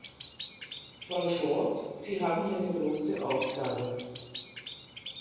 Frau Short, Sie haben hier eine große Aufgabe.